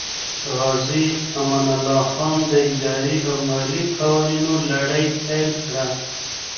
غازي امان الله خان د اداري او مالیې قوانینو لړۍ پیل کړه.